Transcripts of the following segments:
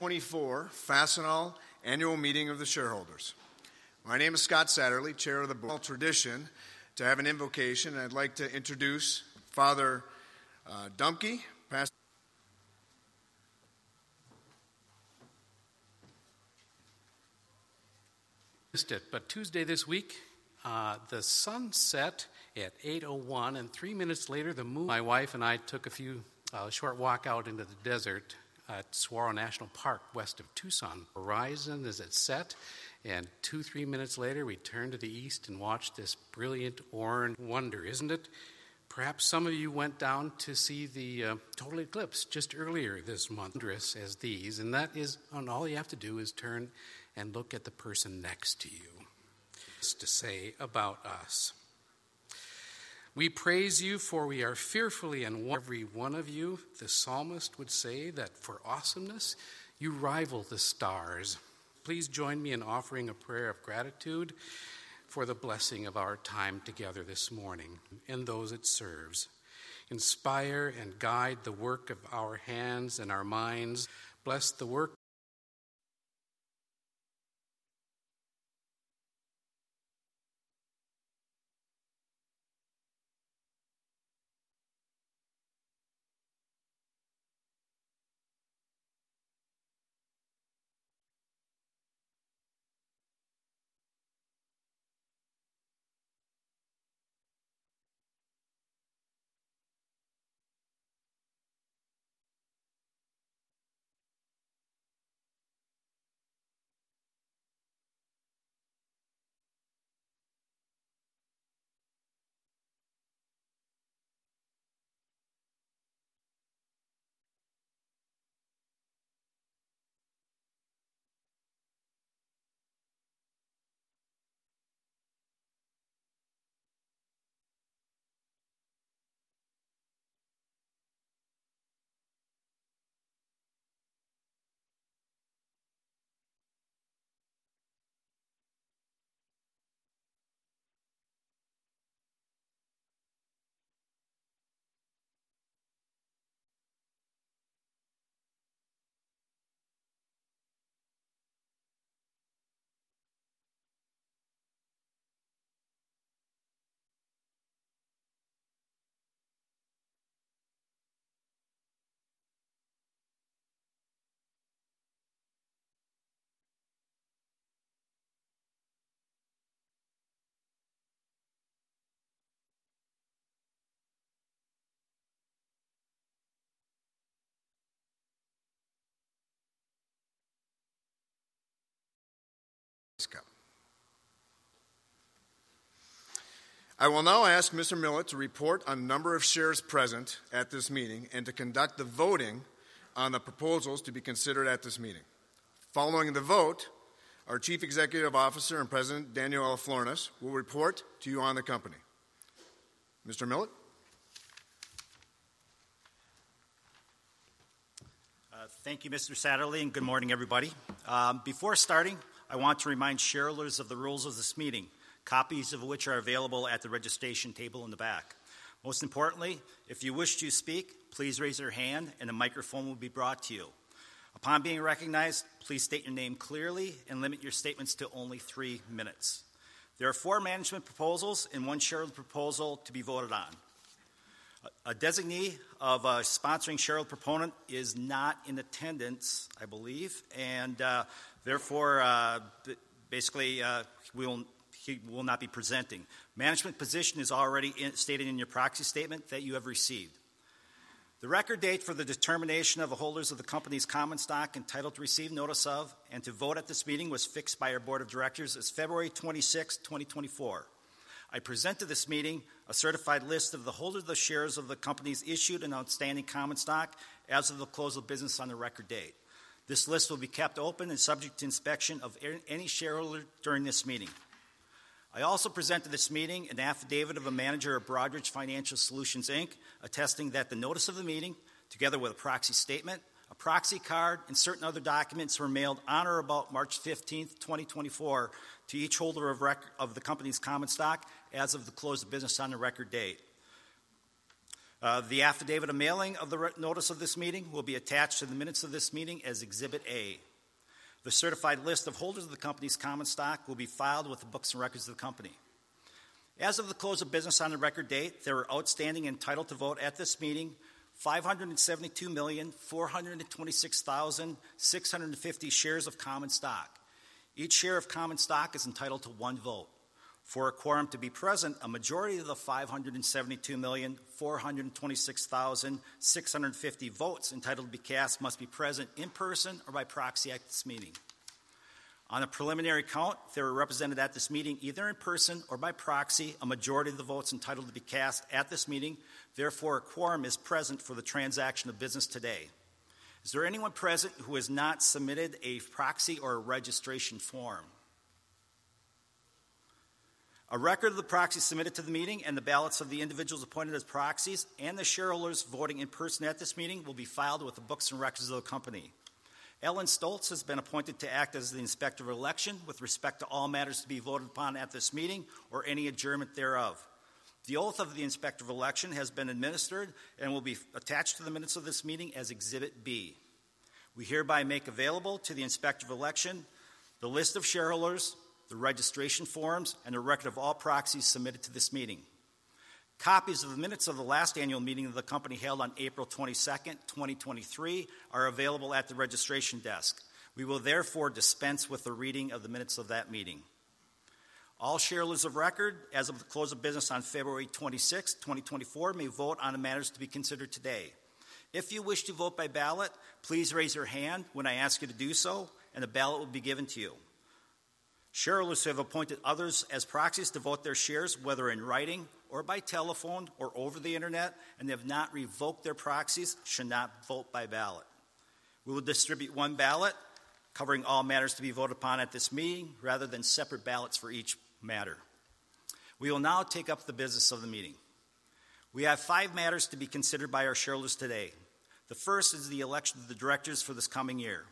2024 Fastenal Annual Meeting of the Shareholders. My name is Scott Satterlee, Chair of the Board. Tradition to have an invocation, and I'd like to introduce Father Dumke, Pastor. Missed it, but Tuesday this week, the sun set at 8:01 P.M., and 3 minutes later, the moon- My wife and I took a few, a short walk out into the desert at Saguaro National Park, west of Tucson. Horizon as it set, and 2, 3 minutes later, we turned to the east and watched this brilliant orange wonder, isn't it? Perhaps some of you went down to see the total eclipse just earlier this month. Wondrous as these, and that is, and all you have to do is turn and look at the person next to you. To say about us. We praise you, for we are fearfully and- every one of you, the psalmist would say that for awesomeness, you rival the stars. Please join me in offering a prayer of gratitude for the blessing of our time together this morning and those it serves. Inspire and guide the work of our hands and our minds. Bless the work- I will now ask Mr. Milek to report on number of shares present at this meeting, and to conduct the voting on the proposals to be considered at this meeting. Following the vote, our Chief Executive Officer and President, Daniel L. Florness, will report to you on the company. Mr. Milek? Thank you, Mr. Satterlee, and good morning, everybody. Before starting, I want to remind shareholders of the rules of this meeting, copies of which are available at the registration table in the back. Most importantly, if you wish to speak, please raise your hand and a microphone will be brought to you. Upon being recognized, please state your name clearly and limit your statements to only three minutes. There are four management proposals and one shareholder proposal to be voted on. A designee of a sponsoring shareholder proponent is not in attendance, I believe, and therefore basically he will not be presenting. Management position is already stated in your proxy statement that you have received. The record date for the determination of the holders of the company's common stock, entitled to receive notice of, and to vote at this meeting, was fixed by our Board of Directors as February 26th, 2024. I present to this meeting a certified list of the holders of the shares of the company's issued and outstanding common stock as of the close of business on the record date. This list will be kept open and subject to inspection of any shareholder during this meeting. I also present to this meeting an affidavit of a manager of Broadridge Financial Solutions, Inc., attesting that the notice of the meeting, together with a proxy statement, a proxy card, and certain other documents, were mailed on or about March 15th, 2024, to each holder of the company's common stock as of the close of business on the record date. The affidavit of mailing of the notice of this meeting will be attached to the minutes of this meeting as Exhibit A. The certified list of holders of the company's common stock will be filed with the books and records of the company. As of the close of business on the record date, there were outstanding, entitled to vote at this meeting, 572,426,650 shares of common stock. Each share of common stock is entitled to one vote. For a quorum to be present, a majority of the 572,426,650 votes entitled to be cast must be present in person or by proxy at this meeting. On a preliminary count, they were represented at this meeting, either in person or by proxy, a majority of the votes entitled to be cast at this meeting; therefore, a quorum is present for the transaction of business today. Is there anyone present who has not submitted a proxy or a registration form? A record of the proxies submitted to the meeting and the ballots of the individuals appointed as proxies, and the shareholders voting in person at this meeting, will be filed with the books and records of the company. Ellen Stolts has been appointed to act as the Inspector of Election with respect to all matters to be voted upon at this meeting or any adjournment thereof. The oath of the Inspector of Election has been administered and will be attached to the minutes of this meeting as Exhibit B. We hereby make available to the Inspector of Election, the list of shareholders, the registration forms, and a record of all proxies submitted to this meeting. Copies of the minutes of the last annual meeting of the company held on April 22nd, 2023, are available at the registration desk. We will therefore dispense with the reading of the minutes of that meeting. All shareholders of record as of the close of business on February 26th, 2024, may vote on the matters to be considered today. If you wish to vote by ballot, please raise your hand when I ask you to do so, and a ballot will be given to you. Shareholders who have appointed others as proxies to vote their shares, whether in writing or by telephone or over the internet, and have not revoked their proxies, should not vote by ballot. We will distribute one ballot covering all matters to be voted upon at this meeting, rather than separate ballots for each matter. We will now take up the business of the meeting. We have 5 matters to be considered by our shareholders today. The first is the election of the directors for this coming year.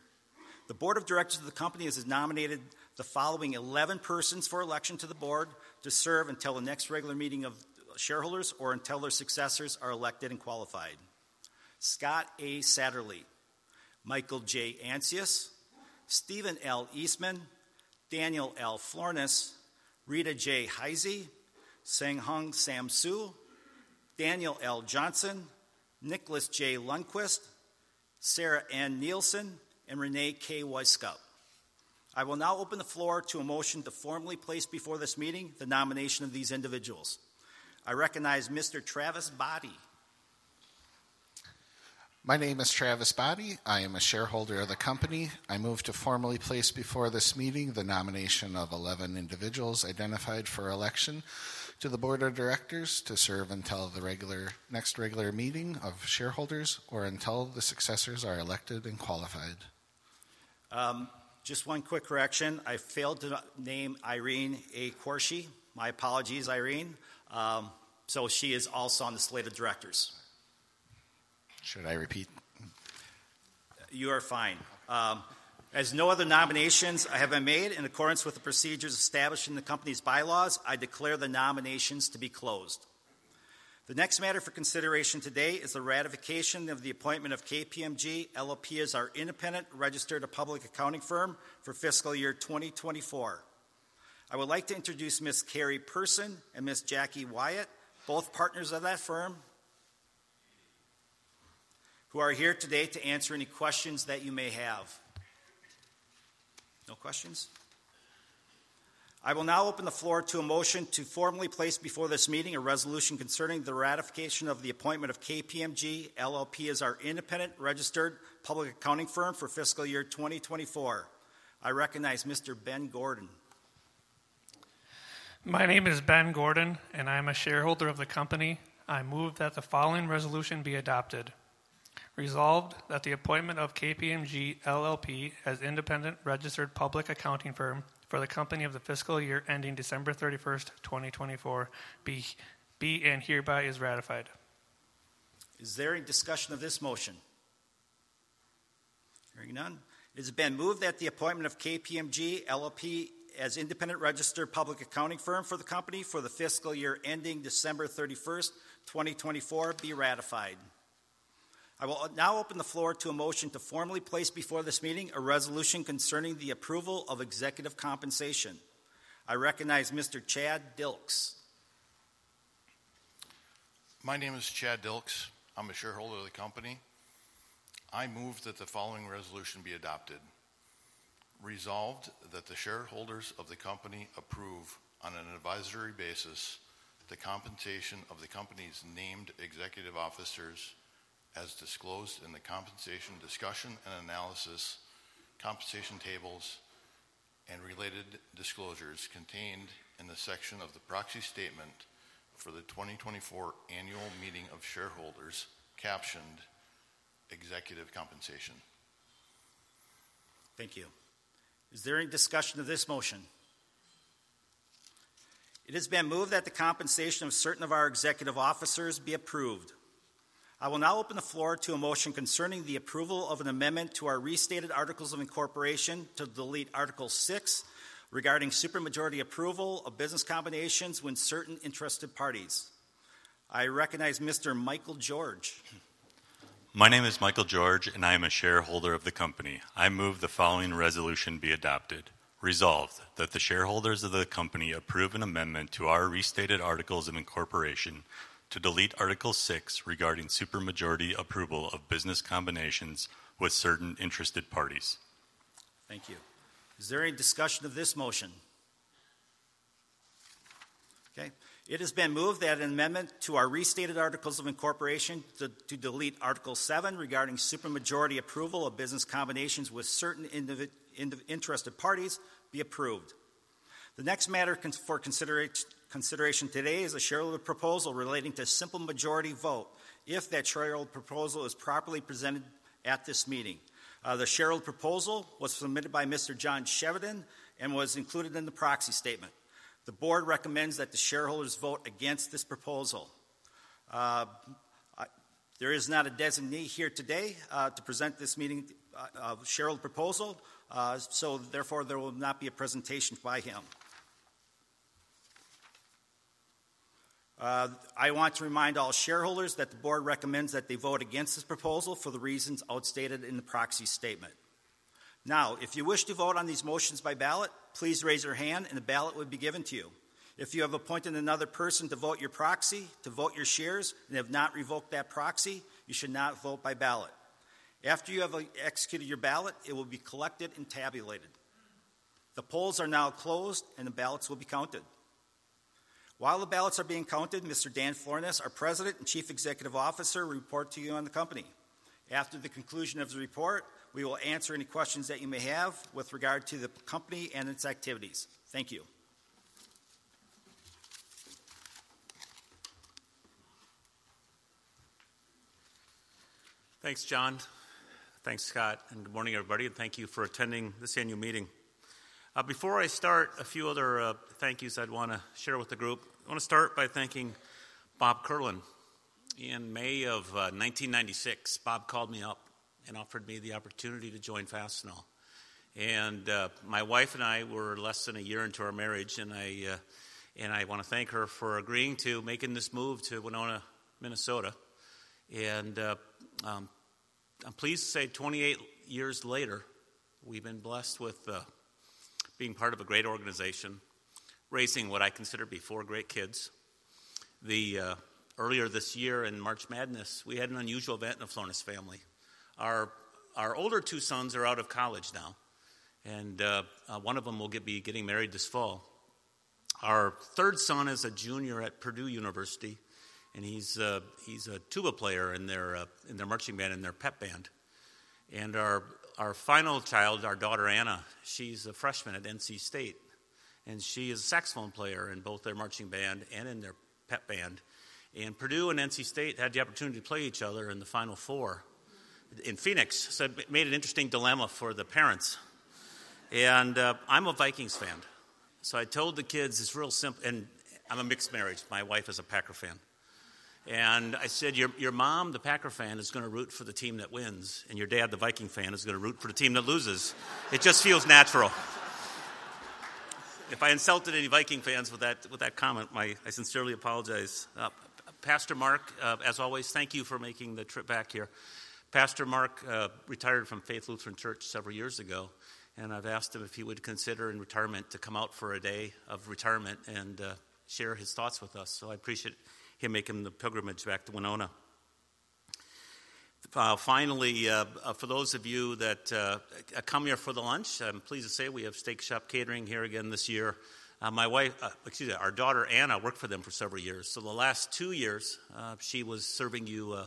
The Board of Directors of the company has nominated the following 11 persons for election to the board to serve until the next regular meeting of shareholders or until their successors are elected and qualified: Scott A. Satterlee, Michael J. Ancius, Stephen L. Eastman, Daniel L. Florness, Rita J. Heise, Hsenghung Sam Hsu, Daniel L. Johnson, Nicholas J. Lundquist, Sarah N. Nielsen, and Reyne K. Wisecup. I will now open the floor to a motion to formally place before this meeting the nomination of these individuals. I recognize Mr. Travis Boddy. My name is Travis Boddy. I am a shareholder of the company. I move to formally place before this meeting the nomination of 11 individuals identified for election to the board of directors to serve until the next regular meeting of shareholders or until the successors are elected and qualified. Just one quick correction. I failed to name Irene A. Quarshie. My apologies, Irene. So, she is also on the slate of directors. Should I repeat? You are fine. As no other nominations have been made, in accordance with the procedures established in the company's bylaws, I declare the nominations to be closed. The next matter for consideration today is the ratification of the appointment of KPMG LLP as our independent registered public accounting firm for fiscal year 2024. I would like to introduce Ms. Carrie Person and Ms. Jackie Wyatt, both partners of that firm, who are here today to answer any questions that you may have. No questions? I will now open the floor to a motion to formally place before this meeting a resolution concerning the ratification of the appointment of KPMG LLP as our independent registered public accounting firm for fiscal year 2024. I recognize Mr. Ben Gordon. My name is Ben Gordon, and I am a shareholder of the company. I move that the following resolution be adopted: Resolved, that the appointment of KPMG LLP as independent registered public accounting firm for the company for the fiscal year ending December 31st, 2024, be and hereby is ratified. Is there any discussion of this motion? Hearing none, it has been moved that the appointment of KPMG LLP as independent registered public accounting firm for the company for the fiscal year ending December 31st, 2024, be ratified. I will now open the floor to a motion to formally place before this meeting a resolution concerning the approval of executive compensation. I recognize Mr. Chad Dilks. My name is Chad Dilks. I'm a shareholder of the company. I move that the following resolution be adopted: Resolved, that the shareholders of the company approve, on an advisory basis, the compensation of the company's named executive officers as disclosed in the compensation discussion and analysis, compensation tables, and related disclosures contained in the section of the proxy statement for the 2024 annual meeting of shareholders captioned "Executive Compensation. Thank you. Is there any discussion of this motion? It has been moved that the compensation of certain of our executive officers be approved. I will now open the floor to a motion concerning the approval of an amendment to our Restated Articles of Incorporation to delete Article Six, regarding supermajority approval of business combinations when certain interested parties. I recognize Mr. Michael George. My name is Michael George, and I am a shareholder of the company. I move the following resolution be adopted: Resolved, that the shareholders of the company approve an amendment to our restated articles of incorporation to delete Article Six, regarding supermajority approval of business combinations with certain interested parties. Thank you. Is there any discussion of this motion? Okay. It has been moved that an amendment to our restated articles of incorporation to delete Article Seven, regarding supermajority approval of business combinations with certain interested parties, be approved. The next matter for consideration today is a shareholder proposal relating to simple majority vote, if that shareholder proposal is properly presented at this meeting. The shareholder proposal was submitted by Mr. John Chevedden and was included in the proxy statement. The board recommends that the shareholders vote against this proposal. There is not a designee here today to present this shareholder proposal, so therefore, there will not be a presentation by him. I want to remind all shareholders that the board recommends that they vote against this proposal for the reasons outlined in the proxy statement. Now, if you wish to vote on these motions by ballot, please raise your hand, and a ballot will be given to you. If you have appointed another person to vote your proxy, to vote your shares, and have not revoked that proxy, you should not vote by ballot. After you have executed your ballot, it will be collected and tabulated. The polls are now closed, and the ballots will be counted. While the ballots are being counted, Mr. Dan Florness, our President and Chief Executive Officer, will report to you on the company. After the conclusion of the report, we will answer any questions that you may have with regard to the company and its activities. Thank you. Thanks, John. Thanks, Scott, and good morning, everybody, and thank you for attending this annual meeting. Before I start, a few other thank yous I'd want to share with the group. I want to start by thanking Bob Kierlin. In May of 1996, Bob called me up and offered me the opportunity to join Fastenal, and my wife and I were less than a year into our marriage, and I want to thank her for agreeing to making this move to Winona, Minnesota. I'm pleased to say 28 years later, we've been blessed with being part of a great organization, raising what I consider to be four great kids. Earlier this year, in March Madness, we had an unusual event in the Florness family. Our older 2 sons are out of college now, and one of them will be getting married this fall. Our third son is a junior at Purdue University, and he's a tuba player in their marching band and their pep band. Our final child, our daughter, Anna, she's a freshman at NC State, and she is a saxophone player in both their marching band and in their pep band. Purdue and NC State had the opportunity to play each other in the Final Four in Phoenix, so it made an interesting dilemma for the parents. I'm a Vikings fan, so I told the kids, "It's real simple," and I'm a mixed marriage, my wife is a Packer fan. I said, "Your mom, the Packer fan, is going to root for the team that wins, and your dad, the Viking fan, is going to root for the team that loses. It just feels natural." If I insulted any Viking fans with that comment, I sincerely apologize. Pastor Mark, as always, thank you for making the trip back here. Pastor Mark retired from Faith Lutheran Church several years ago, and I've asked him if he would consider, in retirement, to come out for a day of retirement and share his thoughts with us, so I appreciate him making the pilgrimage back to Winona. Finally, for those of you that come here for the lunch, I'm pleased to say we have Steak Shop Catering here again this year. My wife, excuse me, our daughter, Anna, worked for them for several years, so the last two years, she was serving you,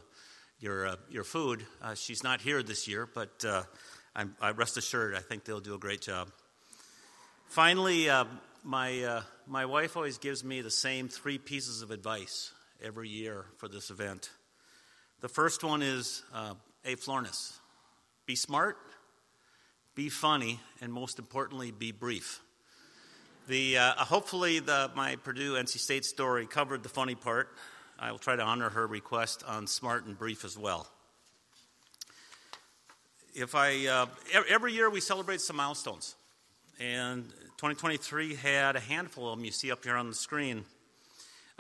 your, your food. She's not here this year, but rest assured, I think they'll do a great job. Finally, my, my wife always gives me the same three pieces of advice every year for this event. The first one is, "Hey, Florness, be smart, be funny, and most importantly, be brief." Hopefully, my Purdue-NC State story covered the funny part. I will try to honor her request on smart and brief as well. Every year, we celebrate some milestones, and 2023 had a handful of them you see up here on the screen.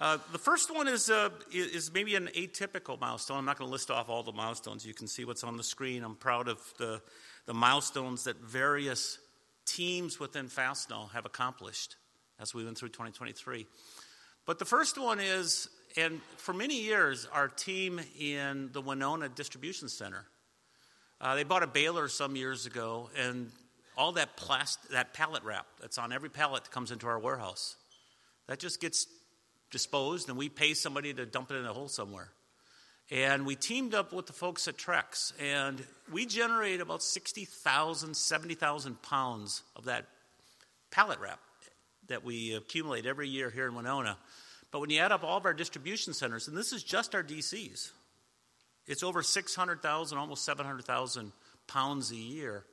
The first one is, is maybe an atypical milestone. I'm not going to list off all the milestones. You can see what's on the screen. I'm proud of the, the milestones that various teams within Fastenal have accomplished as we went through 2023. But the first one is, and for many years, our team in the Winona Distribution Center, they bought a baler some years ago, and all that pallet wrap that's on every pallet that comes into our warehouse, that just gets disposed, and we pay somebody to dump it in a hole somewhere. And we teamed up with the folks at Trex, and we generate about 60,000-70,000 lbs of that pallet wrap that we accumulate every year here in Winona. But when you add up all of our distribution centers, and this is just our DCs, it's over 600,000, almost 700,000 lbs a year.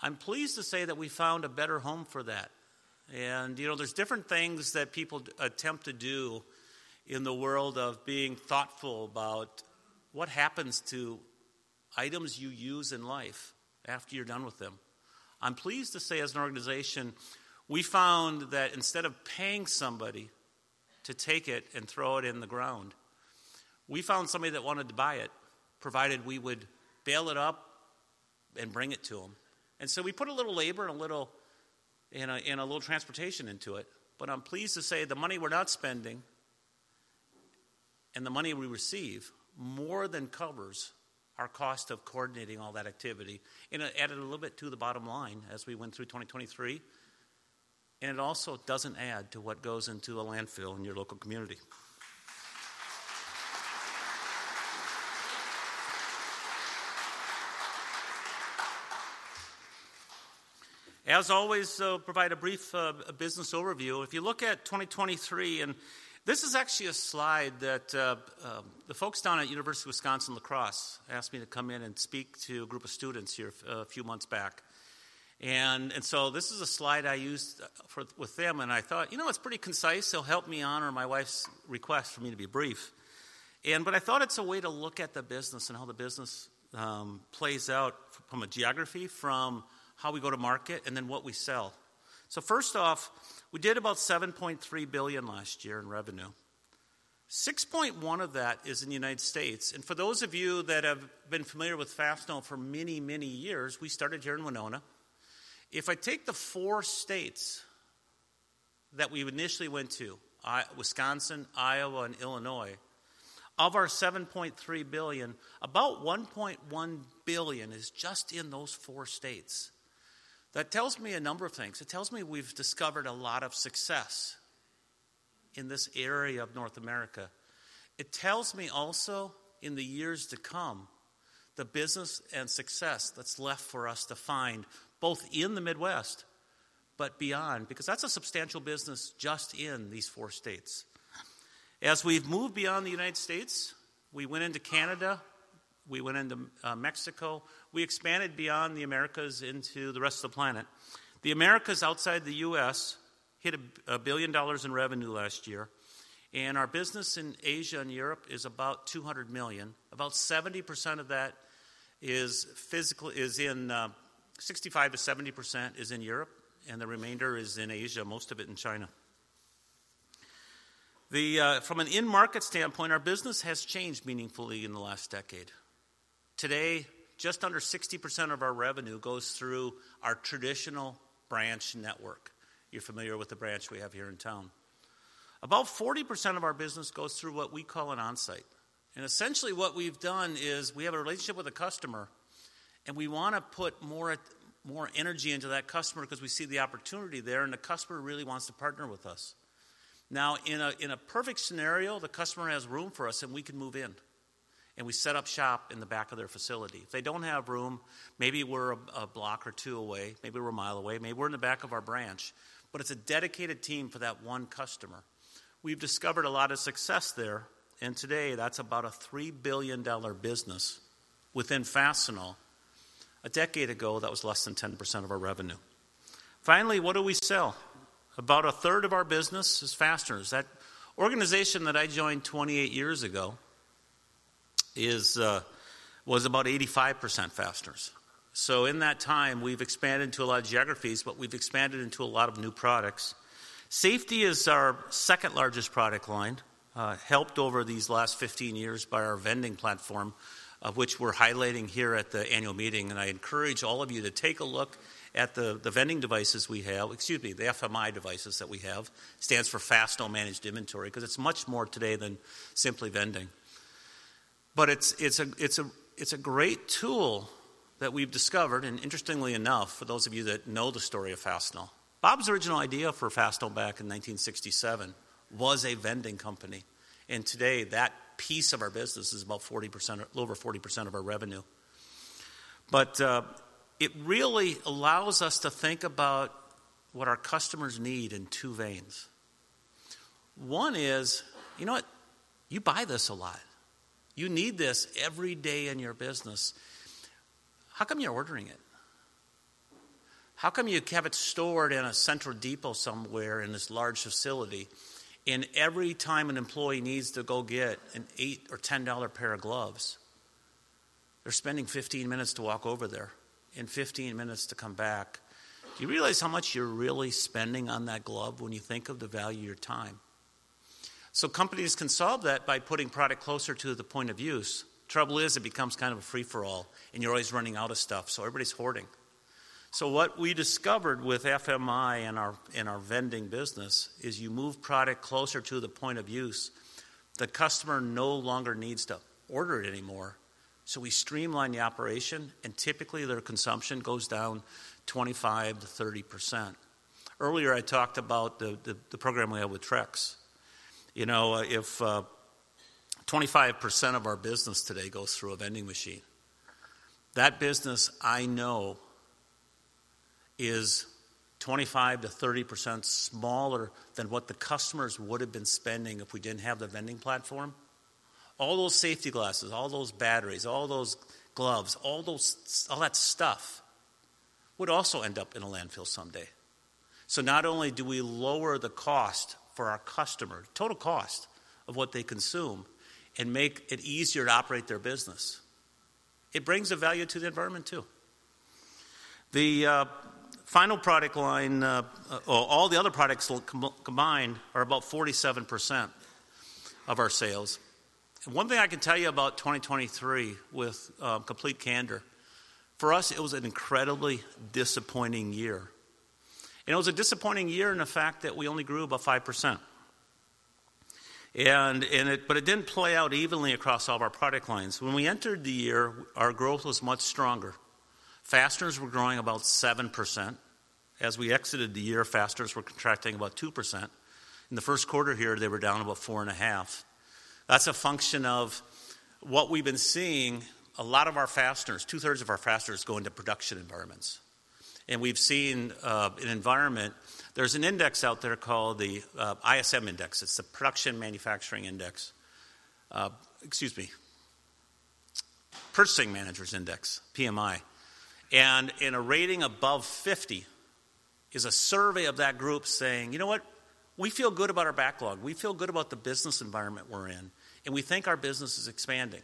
I'm pleased to say that we found a better home for that, and, you know, there's different things that people attempt to do in the world of being thoughtful about what happens to items you use in life after you're done with them. I'm pleased to say, as an organization, we found that instead of paying somebody to take it and throw it in the ground, we found somebody that wanted to buy it, provided we would bale it up and bring it to them. And so we put a little labor and a little transportation into it, but I'm pleased to say the money we're not spending and the money we receive more than covers our cost of coordinating all that activity, and it added a little bit to the bottom line as we went through 2023, and it also doesn't add to what goes into a landfill in your local community. As always, provide a brief business overview. If you look at 2023, and this is actually a slide that the folks down at University of Wisconsin-La Crosse asked me to come in and speak to a group of students here a few months back.... So, this is a slide I used for, with them, and I thought, "You know, it's pretty concise, so help me honor my wife's request for me to be brief." But I thought it's a way to look at the business and how the business plays out from a geography, from how we go to market, and then what we sell. So, first off, we did about $7.3 billion last year in revenue. $6.1 billion of that is in the United States, and for those of you that have been familiar with Fastenal for many, many years, we started here in Winona. If I take the four states that we initially went to, Wisconsin, Iowa, and Illinois, of our $7.3 billion, about $1.1 billion is just in those four states. That tells me a number of things. It tells me we've discovered a lot of success in this area of North America. It tells me also, in the years to come, the business and success that's left for us to find, both in the Midwest but beyond, because that's a substantial business just in these four states. As we've moved beyond the United States, we went into Canada, we went into Mexico, we expanded beyond the Americas into the rest of the planet. The Americas outside the U.S. hit $1 billion in revenue last year, and our business in Asia and Europe is about $200 million. About 70% of that is physical-- is in 65%-70% is in Europe, and the remainder is in Asia, most of it in China. The from an in-market standpoint, our business has changed meaningfully in the last decade. Today, just under 60% of our revenue goes through our traditional branch network. You're familiar with the branch we have here in town. About 40% of our business goes through what we call an Onsite, and essentially what we've done is, we have a relationship with a customer, and we want to put more energy into that customer 'cause we see the opportunity there, and the customer really wants to partner with us. Now, in a perfect scenario, the customer has room for us, and we can move in, and we set up shop in the back of their facility. If they don't have room, maybe we're a block or two away, maybe we're a mile away, maybe we're in the back of our branch, but it's a dedicated team for that one customer. We've discovered a lot of success there, and today, that's about a $3 billion business within Fastenal. A decade ago, that was less than 10% of our revenue. Finally, what do we sell? About 1/3 of our business is fasteners. That organization that I joined 28 years ago was about 85% fasteners. So, in that time, we've expanded into a lot of geographies, but we've expanded into a lot of new products. Safety is our second-largest product line, helped over these last 15 years by our vending platform, of which we're highlighting here at the annual meeting, and I encourage all of you to take a look at the vending devices we have. Excuse me, the FMI devices that we have. Stands for Fastenal Managed Inventory, because it's much more today than simply vending. But it's a great tool that we've discovered, and interestingly enough, for those of you that know the story of Fastenal, Bob's original idea for Fastenal back in 1967 was a vending company, and today, that piece of our business is about 40%, a little over 40% of our revenue. But it really allows us to think about what our customers need in two veins. One is, you know what? You buy this a lot. You need this every day in your business. How come you're ordering it? How come you have it stored in a central depot somewhere in this large facility, and every time an employee needs to go get an $8 or $10 pair of gloves, they're spending 15 minutes to walk over there and 15 minutes to come back? Do you realize how much you're really spending on that glove when you think of the value of your time? So, companies can solve that by putting product closer to the point-of-use. Trouble is, it becomes kind of a free-for-all, and you're always running out of stuff, so everybody's hoarding. So, what we discovered with FMI and our vending business is you move product closer to the point-of-use, the customer no longer needs to order it anymore, so we streamline the operation, and typically, their consumption goes down 25%-30%. Earlier, I talked about the program we have with Trex. You know, if, 25% of our business today goes through a vending machine, that business I know is 25%-30% smaller than what the customers would have been spending if we didn't have the vending platform. All those safety glasses, all those batteries, all those gloves, all those, all that stuff would also end up in a landfill someday. So, not only do we lower the cost for our customer, total cost of what they consume and make it easier to operate their business, it brings a value to the environment, too. The final product line, or all the other products combined are about 47% of our sales. And one thing I can tell you about 2023 with complete candor, for us, it was an incredibly disappointing year. It was a disappointing year in the fact that we only grew about 5%. But it didn't play out evenly across all of our product lines. When we entered the year, our growth was much stronger. Fasteners were growing about 7%. As we exited the year, Fasteners were contracting about 2%. In the first quarter here, they were down about 4.5%. That's a function of what we've been seeing. A lot of our fasteners, 2/3 of our fasteners, go into production environments, and we've seen an environment. There's an index out there called the ISM Index. It's the Production Manufacturing Index. Purchasing Managers' Index, PMI, and in a rating above 50 is a survey of that group saying, "You know what? We feel good about our backlog. We feel good about the business environment we're in, and we think our business is expanding."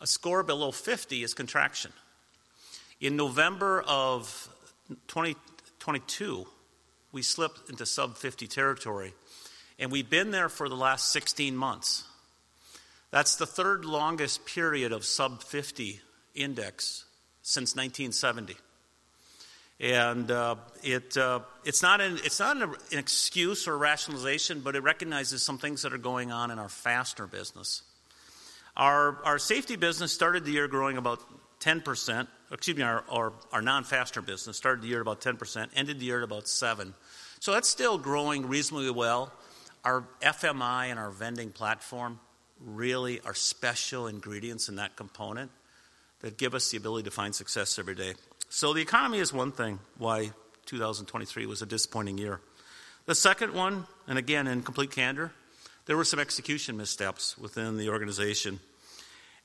A score below 50 is contraction. In November of 2022, we slipped into sub-50 territory, and we've been there for the last 16 months. That's the third longest period of sub-50 index since 1970. And, it's not an excuse or rationalization, but it recognizes some things that are going on in our Fastener business. Our Safety business started the year growing about 10%—excuse me, our Non-Fastener business started the year about 10%, ended the year at about 7%. So, that's still growing reasonably well. Our FMI and our vending platform really are special ingredients in that component that give us the ability to find success every day. So, the economy is one thing why 2023 was a disappointing year. The second one, and again, in complete candor, there were some execution missteps within the organization.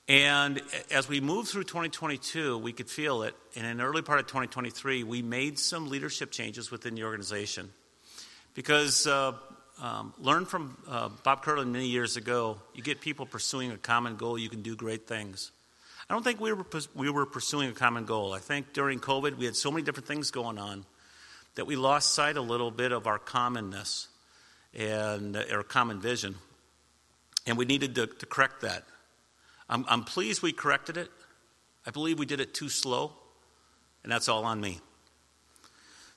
And as we moved through 2022, we could feel it, and in the early part of 2023, we made some leadership changes within the organization. Because learned from Bob Kierlin many years ago, you get people pursuing a common goal, you can do great things. I don't think we were we were pursuing a common goal. I think during COVID, we had so many different things going on, that we lost sight a little bit of our commonness and, or common vision, and we needed to correct that. I'm pleased we corrected it. I believe we did it too slow, and that's all on me.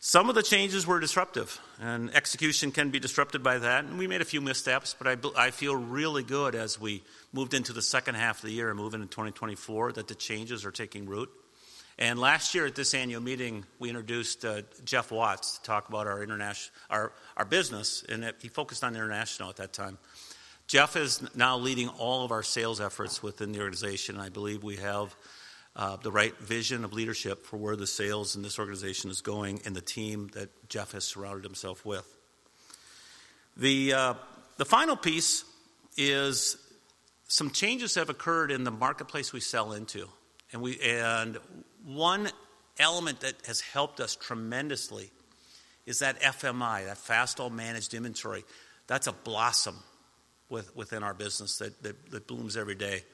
Some of the changes were disruptive, and execution can be disrupted by that, and we made a few missteps, but I feel really good as we moved into the second half of the year and move into 2024, that the changes are taking root. Last year at this annual meeting, we introduced Jeff Watts to talk about our business, and that he focused on international at that time. Jeff is now leading all of our sales efforts within the organization. I believe we have the right vision of leadership for where the sales in this organization is going and the team that Jeff has surrounded himself with. The final piece is some changes have occurred in the marketplace we sell into, and one element that has helped us tremendously is that FMI, that Fastenal Managed Inventory. That's a blossom within our business that blooms every day.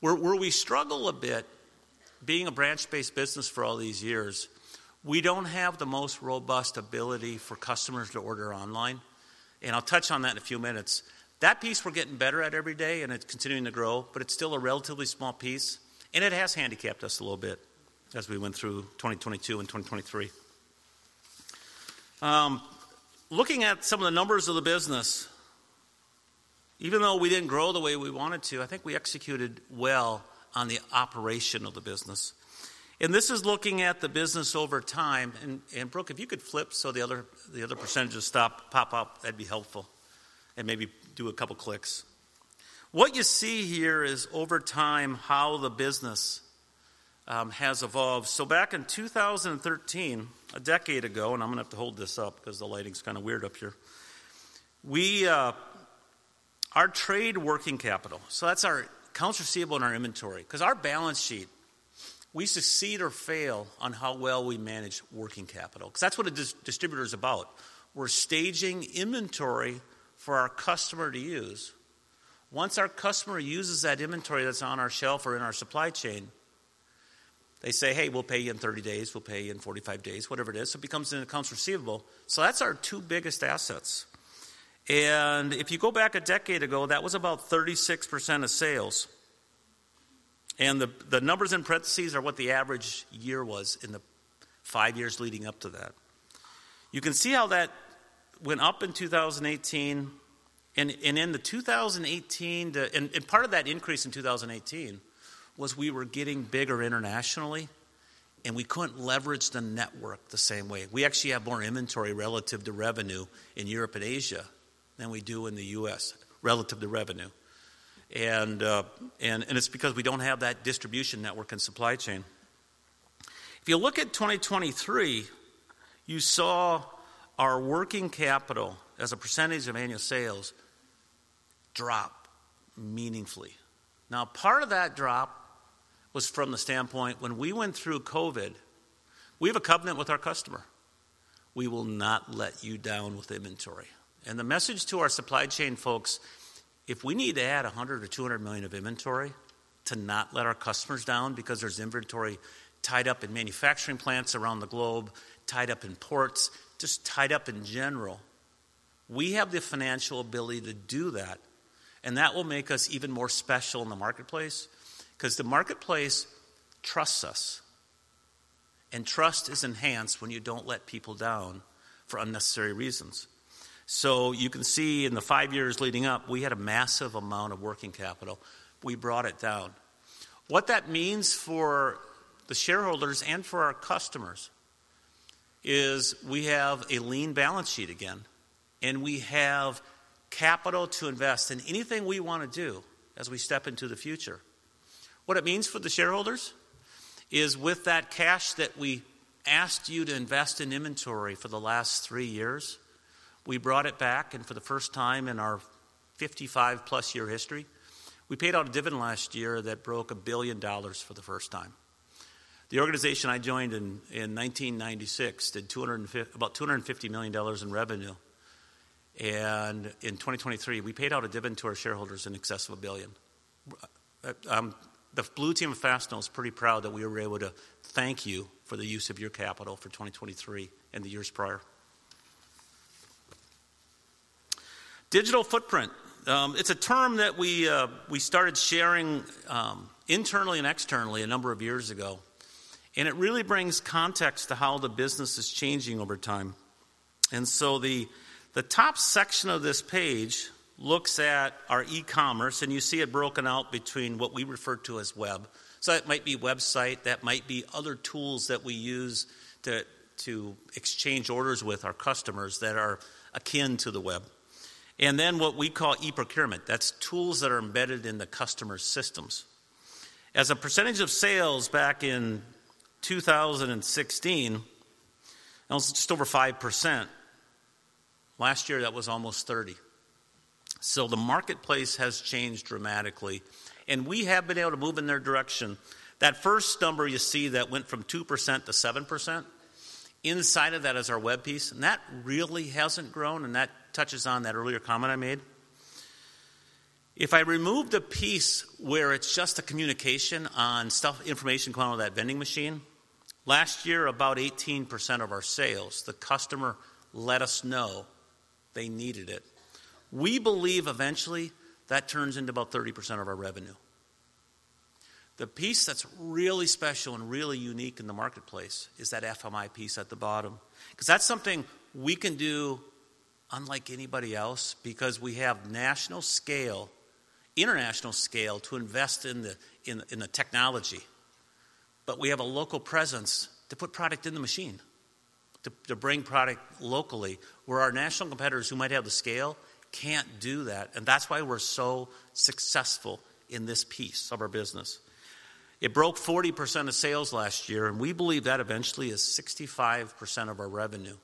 Where we struggle a bit, being a branch-based business for all these years, we don't have the most robust ability for customers to order online, and I'll touch on that in a few minutes. That piece we're getting better at every day, and it's continuing to grow, but it's still a relatively small piece, and it has handicapped us a little bit as we went through 2022 and 2023. Looking at some of the numbers of the business, even though we didn't grow the way we wanted to, I think we executed well on the operation of the business. This is looking at the business over time, and Brooke, if you could flip so the other percentages pop up, that'd be helpful, and maybe do a couple clicks. What you see here is over time, how the business has evolved. So, back in 2013, a decade ago, and I'm going to have to hold this up because the lighting's kind of weird up here. Our trade working capital, so that's our accounts receivable and our inventory, because our balance sheet, we succeed or fail on how well we manage working capital, because that's what a distributor is about. We're staging inventory for our customer to use. Once our customer uses that inventory that's on our shelf or in our supply chain, they say, "Hey, we'll pay you in 30 days, we'll pay you in 45 days," whatever it is, so it becomes an accounts receivable. So, that's our two biggest assets. And if you go back a decade ago, that was about 36% of sales, and the numbers in parentheses are what the average year was in the five years leading up to that. You can see how that went up in 2018, and in 2018... And part of that increase in 2018 was we were getting bigger internationally, and we couldn't leverage the network the same way. We actually have more inventory relative to revenue in Europe and Asia than we do in the U.S., relative to revenue. And it's because we don't have that distribution network and supply chain. If you look at 2023, you saw our working capital as a percentage of annual sales drop meaningfully. Now, part of that drop was from the standpoint when we went through COVID. We have a covenant with our customer. We will not let you down with inventory. And the message to our supply chain folks: if we need to add $100 million or $200 million of inventory to not let our customers down because there's inventory tied up in manufacturing plants around the globe, tied up in ports, just tied up in general. We have the financial ability to do that, and that will make us even more special in the marketplace, because the marketplace trusts us, and trust is enhanced when you don't let people down for unnecessary reasons. So, you can see in the 5 years leading up, we had a massive amount of working capital. We brought it down. What that means for the shareholders and for our customers is we have a lean balance sheet again, and we have capital to invest in anything we want to do as we step into the future. What it means for the shareholders is with that cash that we asked you to invest in inventory for the last three years, we brought it back, and for the first time in our 55+ year history, we paid out a dividend last year that broke $1 billion for the first time. The organization I joined in 1996 did about $250 million in revenue, and in 2023, we paid out a dividend to our shareholders in excess of $1 billion. The Blue Team of Fastenal is pretty proud that we were able to thank you for the use of your capital for 2023 and the years prior. Digital footprint, it's a term that we, we started sharing, internally and externally a number of years ago, and it really brings context to how the business is changing over time. And so, the top section of this page looks at our E-commerce, and you see it broken out between what we refer to as web. So, that might be website, that might be other tools that we use to exchange orders with our customers that are akin to the web. And then what we call E-procurement, that's tools that are embedded in the customer's systems. As a percentage of sales back in 2016, that was just over 5%. Last year, that was almost 30. So, the marketplace has changed dramatically, and we have been able to move in their direction. That first number you see that went from 2% to 7%, inside of that is our web piece, and that really hasn't grown, and that touches on that earlier comment I made. If I remove the piece where it's just a communication on stuff, information coming out of that vending machine, last year, about 18% of our sales, the customer let us know they needed it. We believe eventually that turns into about 30% of our revenue. The piece that's really special and really unique in the marketplace is that FMI piece at the bottom, because that's something we can do unlike anybody else, because we have national scale, international scale, to invest in the technology. But we have a local presence to put product in the machine, to bring product locally, where our national competitors who might have the scale can't do that, and that's why we're so successful in this piece of our business. It broke 40% of sales last year, and we believe that eventually is 65% of our revenue.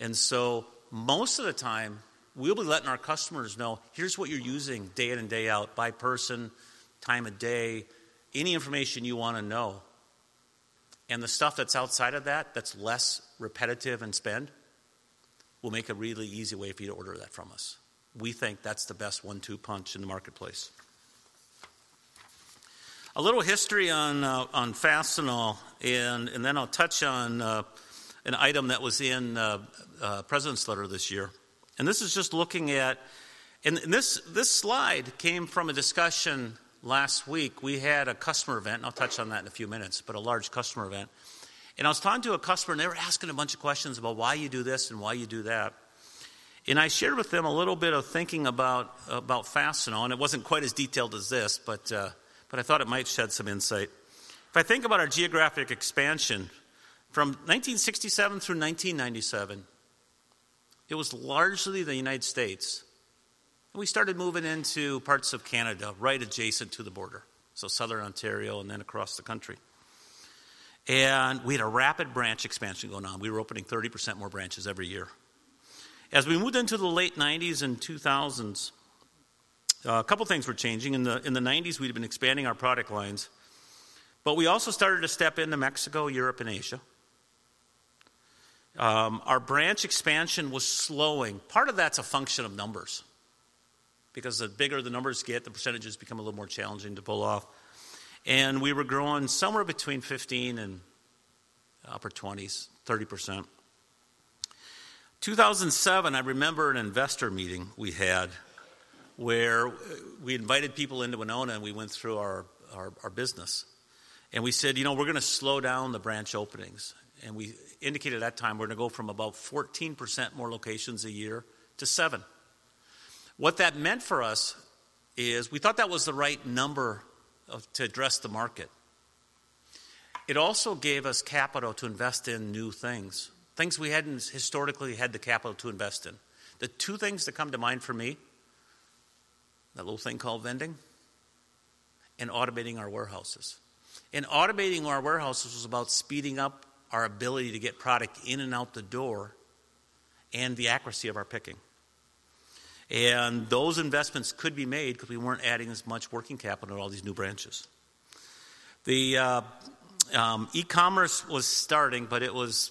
And so, most of the time, we'll be letting our customers know, "Here's what you're using day in and day out, by person, time of day, any information you want to know," and the stuff that's outside of that, that's less repetitive in spend, we'll make a really easy way for you to order that from us. We think that's the best one-two punch in the marketplace. A little history on Fastenal, and then I'll touch on an item that was in President's letter this year. And this is just looking at... And this, this slide came from a discussion last week. We had a customer event, and I'll touch on that in a few minutes, but a large customer event. And I was talking to a customer, and they were asking a bunch of questions about why you do this and why you do that. And I shared with them a little bit of thinking about Fastenal, and it wasn't quite as detailed as this, but I thought it might shed some insight. If I think about our geographic expansion, from 1967 through 1997, it was largely the United States. We started moving into parts of Canada, right adjacent to the border, so southern Ontario and then across the country. We had a rapid branch expansion going on. We were opening 30% more branches every year. As we moved into the late 1990s and 2000s, a couple things were changing. In the 1990's, we'd been expanding our product lines, but we also started to step into Mexico, Europe, and Asia. Our branch expansion was slowing. Part of that's a function of numbers, because the bigger the numbers get, the percentages become a little more challenging to pull off. We were growing somewhere between 15% and upper 20s, 30%. 2007, I remember an investor meeting we had where we invited people into Winona, and we went through our business, and we said, "You know, we're going to slow down the branch openings," and we indicated at that time we're going to go from about 14% more locations a year to 7. What that meant for us is we thought that was the right number to address the market. It also gave us capital to invest in new things, things we hadn't historically had the capital to invest in. The two things that come to mind for me, that little thing called vending and automating our warehouses. And automating our warehouses was about speeding up our ability to get product in and out the door and the accuracy of our picking. Those investments could be made because we weren't adding as much working capital to all these new branches. The e-commerce was starting, but it was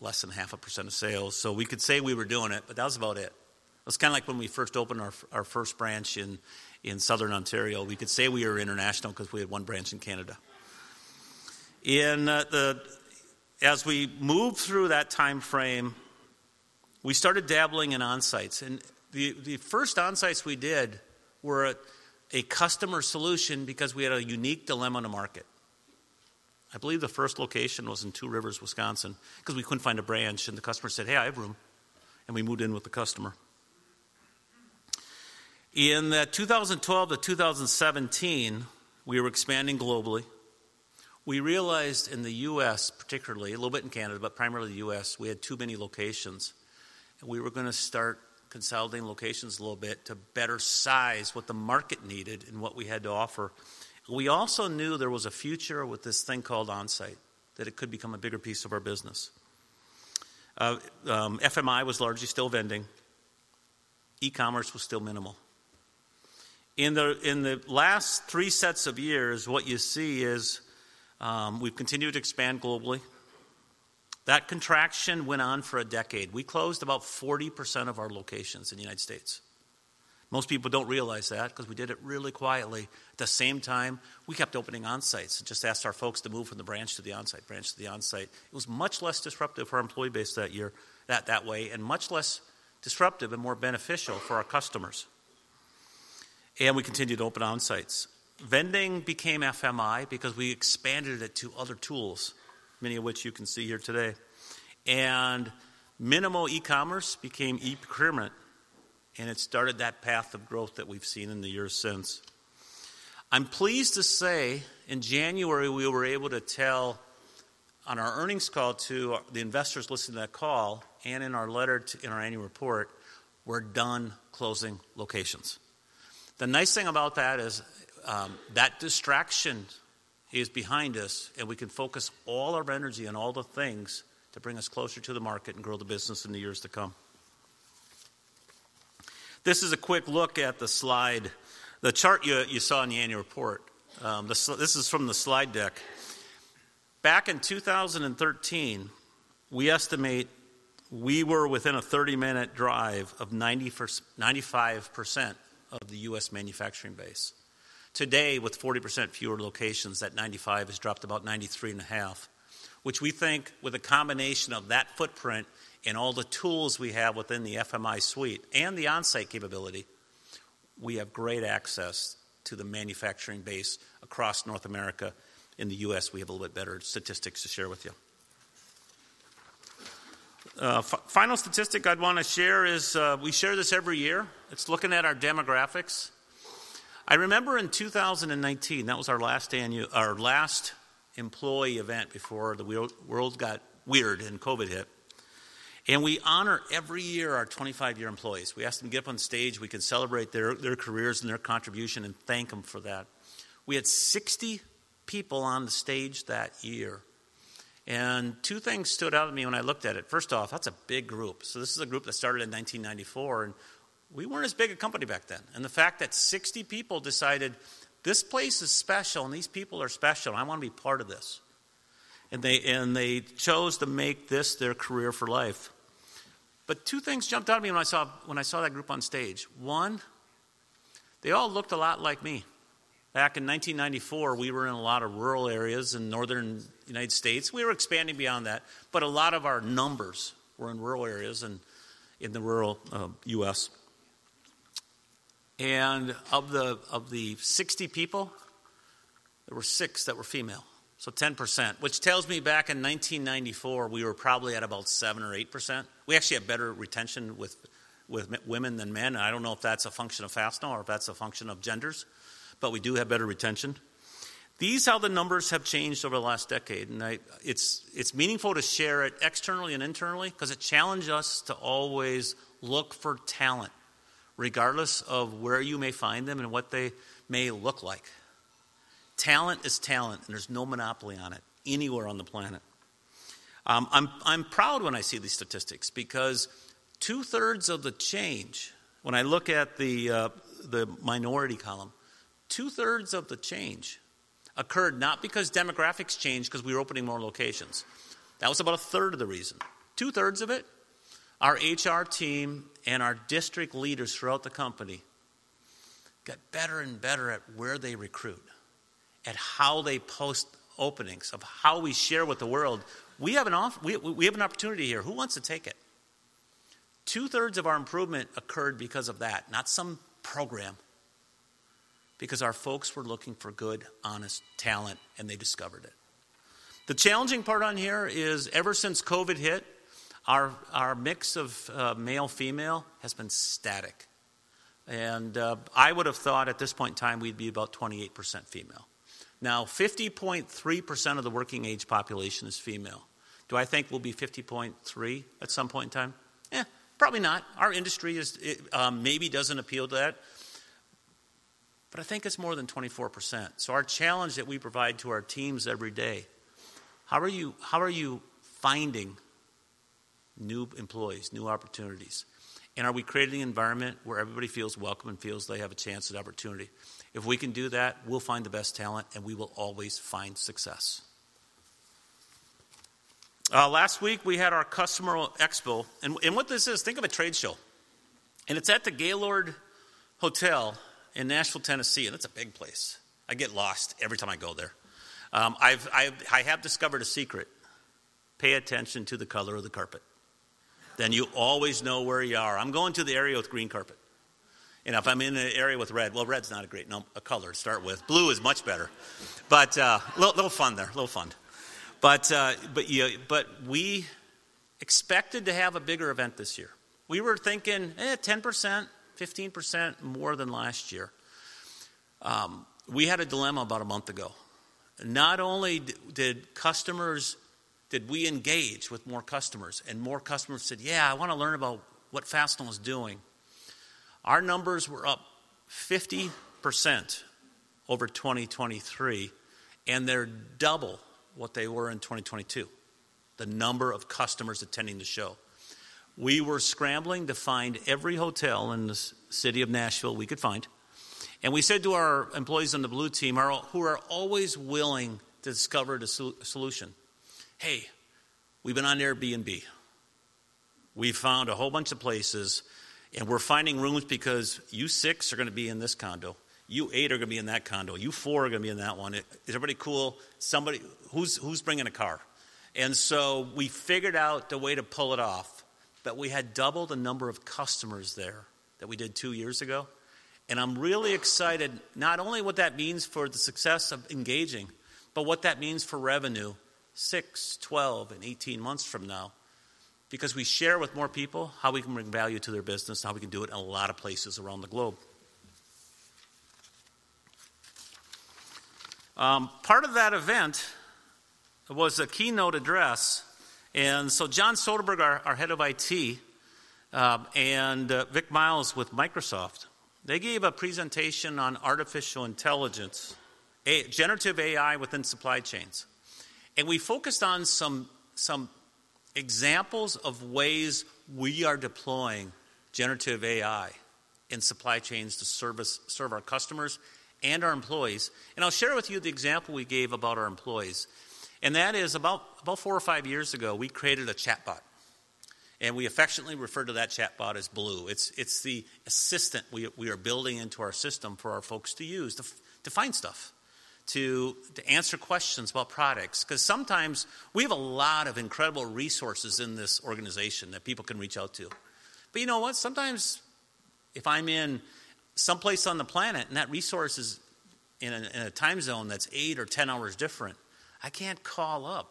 less than 0.5% of sales, so we could say we were doing it, but that was about it. It was kind of like when we first opened our first branch in southern Ontario, we could say we were international because we had one branch in Canada. In... As we moved through that timeframe, we started dabbling in Onsites, and the first Onsites we did were a customer solution because we had a unique dilemma in the market. I believe the first location was in Two Rivers, Wisconsin, because we couldn't find a branch, and the customer said, "Hey, I have room," and we moved in with the customer. In 2012 to 2017, we were expanding globally. We realized in the U.S., particularly, a little bit in Canada, but primarily the U.S., we had too many locations, and we were going to start consolidating locations a little bit to better size what the market needed and what we had to offer. We also knew there was a future with this thing called Onsite, that it could become a bigger piece of our business. FMI was largely still vending. E-commerce was still minimal. In the last three sets of years, what you see is, we've continued to expand globally. That contraction went on for a decade. We closed about 40% of our locations in the United States. Most people don't realize that, because we did it really quietly. At the same time, we kept opening Onsites and just asked our folks to move from the branch to the Onsite, branch to the Onsite. It was much less disruptive for our employee base that year, that way, and much less disruptive and more beneficial for our customers. We continued to open Onsites. Vending became FMI because we expanded it to other tools, many of which you can see here today. Minimal e-commerce became e-procurement, and it started that path of growth that we've seen in the years since. I'm pleased to say, in January, we were able to tell on our earnings call to the investors listening to that call, and in our letter in our annual report, we're done closing locations. The nice thing about that is, that distraction is behind us, and we can focus all our energy on all the things to bring us closer to the market and grow the business in the years to come. This is a quick look at the slide, the chart you saw in the annual report. This is from the slide deck. Back in 2013, we estimate we were within a 30-minute drive of 95% of the U.S. manufacturing base. Today, with 40% fewer locations, that 95% has dropped to about 93.5%, which we think with a combination of that footprint and all the tools we have within the FMI suite and the Onsite capability, we have great access to the manufacturing base across North America. In the U.S., we have a little bit better statistics to share with you. Final statistic I'd want to share is, we share this every year. It's looking at our demographics. I remember in 2019, that was our last annual, our last employee event before the world, world got weird and COVID hit, and we honor every year our 25-year employees. We ask them to get up on stage. We can celebrate their, their careers and their contribution and thank them for that. We had 60 people on the stage that year, and two things stood out to me when I looked at it. First off, that's a big group. So, this is a group that started in 1994, and we weren't as big a company back then. The fact that 60 people decided, "This place is special, and these people are special. I want to be part of this." And they, and they chose to make this their career for life. But two things jumped out at me when I saw, when I saw that group on stage. One, they all looked a lot like me. Back in 1994, we were in a lot of rural areas in northern United States. We were expanding beyond that, but a lot of our numbers were in rural areas and in the rural U.S. And of the, of the 60 people, there were 6 that were female, so 10%, which tells me back in 1994, we were probably at about 7% or 8%. We actually have better retention with women than men. I don't know if that's a function of Fastenal or if that's a function of genders, but we do have better retention. These are how the numbers have changed over the last decade, and I... It's, it's meaningful to share it externally and internally because it challenges us to always look for talent, regardless of where you may find them and what they may look like. Talent is talent, and there's no monopoly on it anywhere on the planet. I'm proud when I see these statistics because 2/3 of the change, when I look at the minority column, 2/3 of the change occurred not because demographics changed, because we were opening more locations. That was about 1/3 of the reason. Two-thirds of it, our HR team and our district leaders throughout the company got better and better at where they recruit, at how they post openings, of how we share with the world: "We have an off- we, we have an opportunity here. Who wants to take it?" Two-thirds of our improvement occurred because of that, not some program, because our folks were looking for good, honest talent, and they discovered it. The challenging part on here is ever since COVID hit, our, our mix of, male-female has been static, and, I would have thought at this point in time, we'd be about 28% female. Now, 50.3% of the working-age population is female. Do I think we'll be 50.3% at some point in time? Eh, probably not. Our industry is, it, maybe doesn't appeal to that, but I think it's more than 24%. So, our challenge that we provide to our teams every day: How are you, how are you finding new employees, new opportunities? And are we creating an environment where everybody feels welcome and feels they have a chance at opportunity? If we can do that, we'll find the best talent, and we will always find success. Last week, we had our customer expo, and what this is, think of a trade show, and it's at the Gaylord Hotel in Nashville, Tennessee, and it's a big place. I get lost every time I go there. I've discovered a secret: Pay attention to the color of the carpet. Then you always know where you are. I'm going to the area with green carpet." And if I'm in an area with red... Well, red's not a great, no, a color to start with. Blue is much better. But, little fun there, little fun. But, but yeah, but we expected to have a bigger event this year. We were thinking, 10%, 15% more than last year.... we had a dilemma about a month ago. Not only did we engage with more customers, and more customers said, "Yeah, I want to learn about what Fastenal is doing." Our numbers were up 50% over 2023, and they're double what they were in 2022, the number of customers attending the show. We were scrambling to find every hotel in the city of Nashville we could find, and we said to our employees on the Blue Team, who are always willing to discover the solution: "Hey, we've been on Airbnb. We've found a whole bunch of places, and we're finding rooms because you 6 are going to be in this condo, you 8 are going to be in that condo, you 4 are going to be in that one. Is everybody cool? Somebody... Who's bringing a car?" And so, we figured out the way to pull it off, but we had double the number of customers there that we did 2 years ago, and I'm really excited, not only what that means for the success of engaging, but what that means for revenue 6, 12, and 18 months from now. Because we share with more people how we can bring value to their business, and how we can do it in a lot of places around the globe. Part of that event was a keynote address, and so John Soderberg, our head of IT, and Vic Miles with Microsoft, they gave a presentation on artificial intelligence, generative AI within supply chains. And we focused on some examples of ways we are deploying generative AI in supply chains to serve our customers and our employees, and I'll share with you the example we gave about our employees. And that is, about four or five years ago, we created a chatbot, and we affectionately refer to that chatbot as Blue. It's the assistant we are building into our system for our folks to use, to find stuff, to answer questions about products. Because sometimes we have a lot of incredible resources in this organization that people can reach out to. But you know what? Sometimes if I'm in someplace on the planet, and that resource is in a time zone that's eight or 10 hours different, I can't call up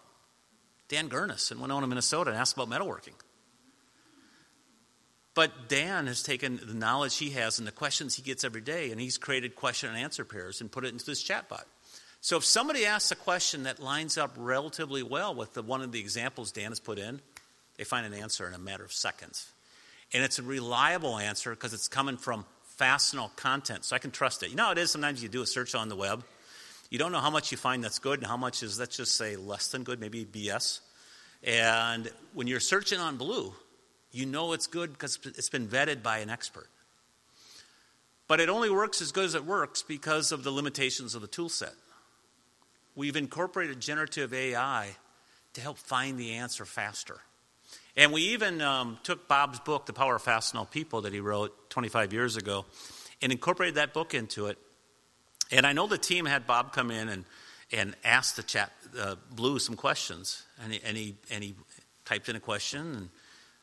Dan Gernes in Winona, Minnesota, and ask about metalworking. But Dan has taken the knowledge he has and the questions he gets every day, and he's created question-and-answer pairs and put it into this chatbot. So, if somebody asks a question that lines up relatively well with one of the examples Dan has put in, they find an answer in a matter of seconds. And it's a reliable answer because it's coming from Fastenal content, so I can trust it. You know how it is, sometimes you do a search on the web, you don't know how much you find that's good and how much is, let's just say, less than good, maybe BS. And when you're searching on Blue, you know it's good because it's been vetted by an expert. But it only works as good as it works because of the limitations of the tool set. We've incorporated generative AI to help find the answer faster, and we even took Bob's book, The Power of Fastenal People, that he wrote 25 years ago, and incorporated that book into it. I know the team had Bob come in and ask the Chat Blue some questions, and he typed in a question and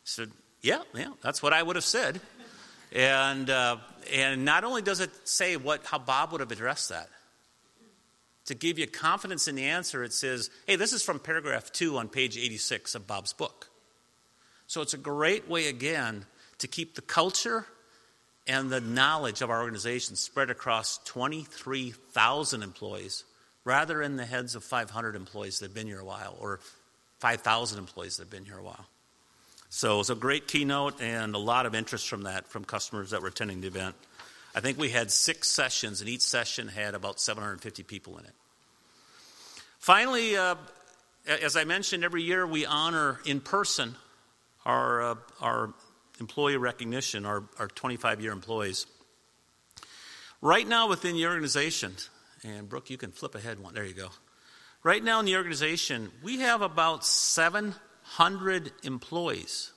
said, "Yeah, yeah, that's what I would have said." And not only does it say what how Bob would have addressed that, to give you confidence in the answer, it says, "Hey, this is from paragraph 2 on page 86 of Bob's book." So, it's a great way, again, to keep the culture and the knowledge of our organization spread across 23,000 employees, rather in the heads of 500 employees that have been here a while, or 5,000 employees that have been here a while. So, it was a great keynote and a lot of interest from that, from customers that were attending the event. I think we had six sessions, and each session had about 750 people in it. Finally, as I mentioned, every year, we honor in person our employee recognition, our 25-year employees. Right now, within the organization, and Brooke, you can flip ahead one. There you go. Right now, in the organization, we have about 700 employees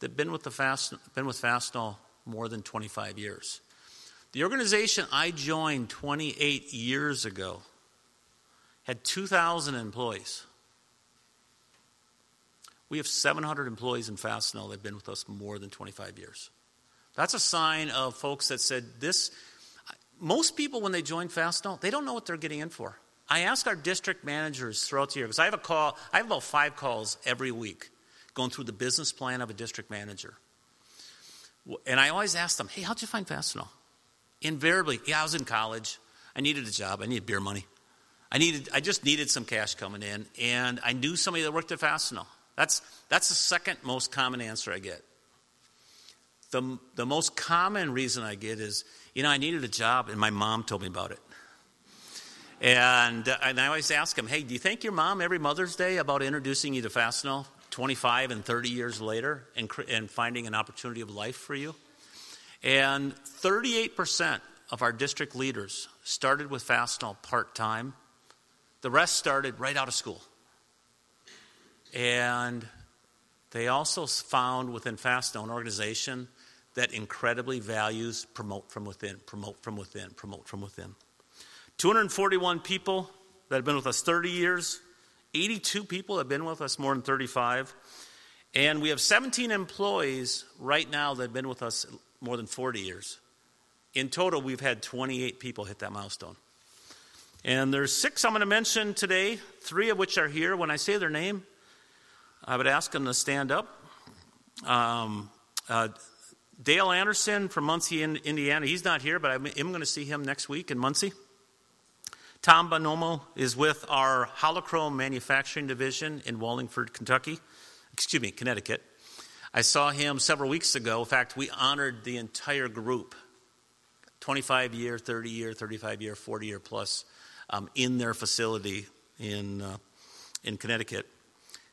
that have been with Fastenal more than 25 years. The organization I joined 28 years ago had 2,000 employees. We have 700 employees in Fastenal that have been with us more than 25 years. That's a sign of folks that said this. Most people, when they join Fastenal, they don't know what they're getting in for. I ask our district managers throughout the year, because I have a call. I have about 5 calls every week going through the business plan of a district manager. And I always ask them, "Hey, how'd you find Fastenal?" Invariably, "Yeah, I was in college. I needed a job. I needed beer money. I needed, I just needed some cash coming in, and I knew somebody that worked at Fastenal." That's, that's the second most common answer I get. The most common reason I get is, "You know, I needed a job, and my mom told me about it." And I always ask them, "Hey, do you thank your mom every Mother's Day about introducing you to Fastenal 25 and 30 years later, and finding an opportunity of life for you?" And 38% of our district leaders started with Fastenal part-time. The rest started right out of school. They also found within Fastenal an organization that incredibly values promote from within, promote from within, promote from within. 241 people that have been with us 30 years, 82 people have been with us more than 35, and we have 17 employees right now that have been with us more than 40 years. In total, we've had 28 people hit that milestone. There's six I'm going to mention today, three of which are here. When I say their name, I would ask them to stand up. Dale Anderson from Muncie, Indiana. He's not here, but I'm going to see him next week in Muncie. Tom Bonomo is with our Holo-Krome Manufacturing division in Wallingford, Connecticut. Excuse me, I saw him several weeks ago. In fact, we honored the entire group, 25-year, 30-year, 35-year, 40-year plus, in their facility in Connecticut.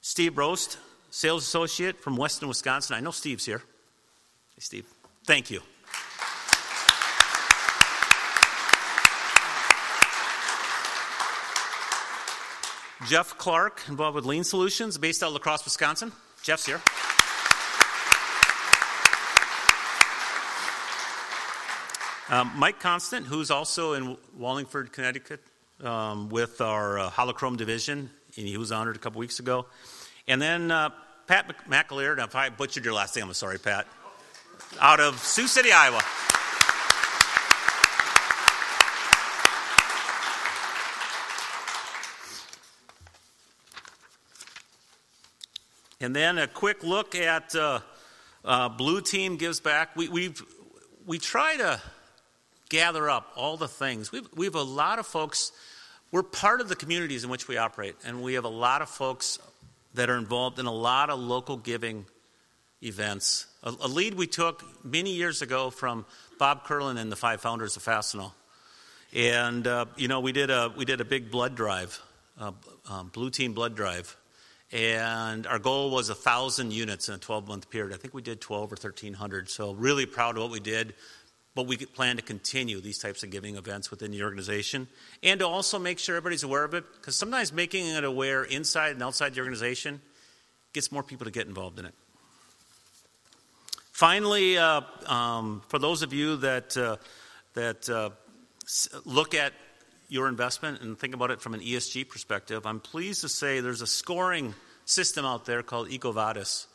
Steve Rost, sales associate from Western Wisconsin. I know Steve's here. Hey, Steve. Thank you. Jeff Clark, involved with Lean Solutions, based out of La Crosse, Wisconsin. Jeff's here. Mike Constant, who's also in Wallingford, Connecticut, with our Holo-Krome division, and he was honored a couple weeks ago. And then, Pat McAleer, and I probably butchered your last name. I'm sorry, Pat. Out of Sioux City, Iowa. And then a quick look at Blue Team Gives Back. We try to gather up all the things... We have a lot of folks. We're part of the communities in which we operate, and we have a lot of folks that are involved in a lot of local giving events. A lead we took many years ago from Bob Kierlin and the five founders of Fastenal. You know, we did a big blood drive, Blue Team Blood Drive, and our goal was 1,000 units in a 12-month period. I think we did 1,200 or 1,300, so really proud of what we did, but we plan to continue these types of giving events within the organization. And to also make sure everybody's aware of it, because sometimes making it aware inside and outside the organization gets more people to get involved in it. Finally, for those of you that look at your investment and think about it from an ESG perspective, I'm pleased to say there's a scoring system out there called EcoVadis.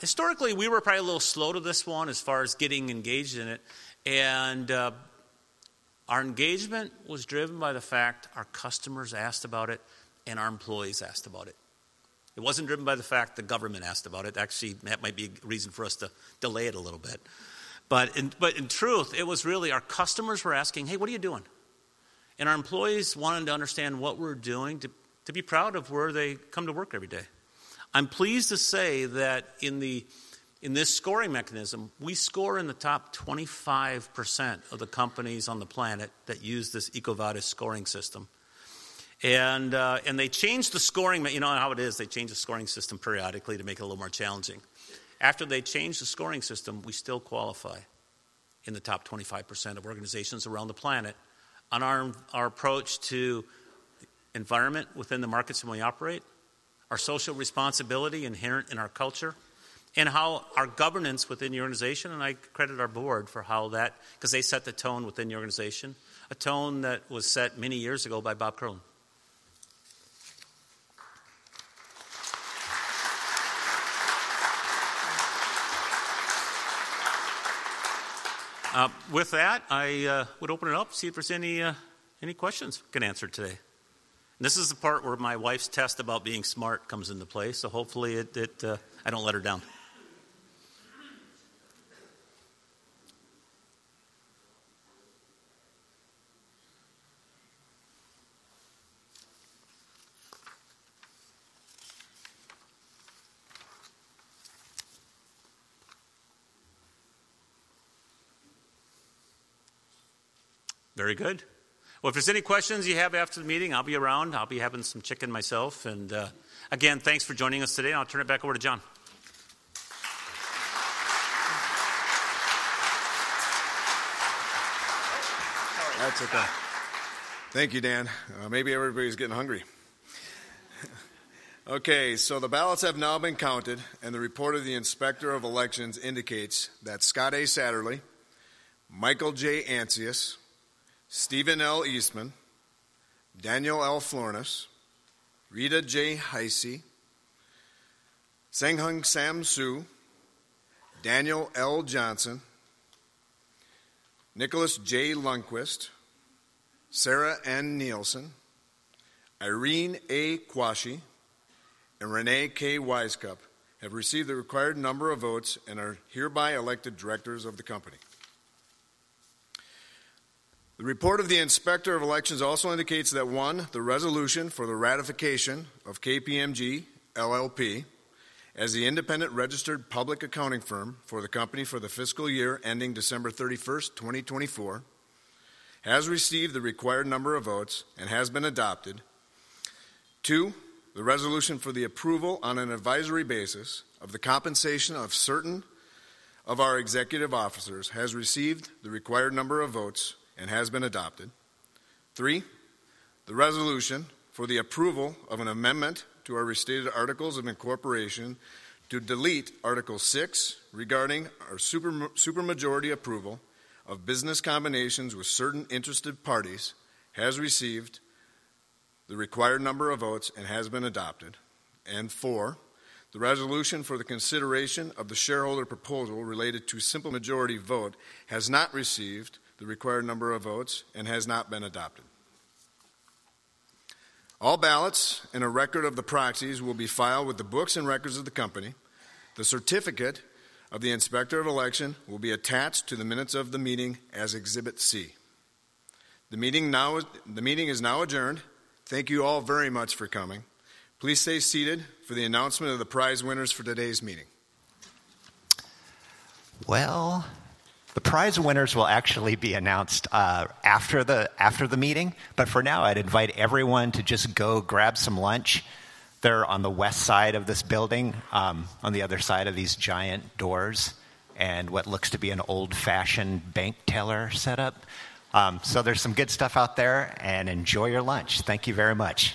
Historically, we were probably a little slow to this one as far as getting engaged in it, and our engagement was driven by the fact our customers asked about it, and our employees asked about it. It wasn't driven by the fact the government asked about it. Actually, that might be a reason for us to delay it a little bit. But in truth, it was really our customers were asking: "Hey, what are you doing?" Our employees wanted to understand what we're doing to be proud of where they come to work every day. I'm pleased to say that in the, in this scoring mechanism, we score in the top 25% of the companies on the planet that use this EcoVadis scoring system. And, and they changed the scoring, but you know how it is, they change the scoring system periodically to make it a little more challenging. After they changed the scoring system, we still qualify in the top 25% of organizations around the planet on our, our approach to environment within the markets in which we operate, our social responsibility inherent in our culture, and how our governance within the organization, and I credit our board for how that, because they set the tone within the organization, a tone that was set many years ago by Bob Kierlin. With that, I, would open it up, see if there's any, any questions we can answer today. This is the part where my wife's test about being smart comes into play, so hopefully it, I don't let her down. Very good. Well, if there's any questions you have after the meeting, I'll be around. I'll be having some chicken myself, and again, thanks for joining us today, and I'll turn it back over to John. That's okay. Thank you, Dan. Maybe everybody's getting hungry. Okay, so the ballots have now been counted, and the report of the Inspector of Elections indicates that Scott A. Satterlee, Michael J. Ancius, Stephen L. Eastman, Daniel L. Florness, Rita J. Heise, Hsenghung Sam Hsu, Daniel L. Johnson, Nicholas J. Lundquist, Sarah N. Nielsen, Irene A. Quarshie, and Reyne K. Wisecup have received the required number of votes and are hereby elected directors of the company. The report of the Inspector of Elections also indicates that, one, the resolution for the ratification of KPMG LLP as the independent registered public accounting firm for the company for the fiscal year ending December 31st, 2024, has received the required number of votes and has been adopted. 2, the resolution for the approval on an advisory basis of the compensation of certain of our executive officers has received the required number of votes and has been adopted. 3, the resolution for the approval of an amendment to our restated articles of incorporation to delete Article 6, regarding our supermajority approval of business combinations with certain interested parties, has received the required number of votes and has been adopted. 4, the resolution for the consideration of the shareholder proposal related to simple majority vote has not received the required number of votes and has not been adopted. All ballots and a record of the proxies will be filed with the books and records of the company. The certificate of the Inspector of Election will be attached to the minutes of the meeting as Exhibit C. The meeting is now adjourned. Thank you all very much for coming. Please stay seated for the announcement of the prize winners for today's meeting. Well, the prize winners will actually be announced after the meeting, but for now I'd invite everyone to just go grab some lunch. They're on the west side of this building, on the other side of these giant doors and what looks to be an old-fashioned bank teller setup. So, there's some good stuff out there, and enjoy your lunch. Thank you very much.